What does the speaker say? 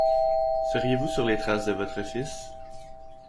Seriez-vous sur les traces de votre fils ?